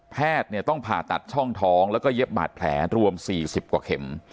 แพทย์ต้องผ่าตัดช่องท้องแล้วก็เย็บบาดแผลรวม๔๐กว่าเข็ม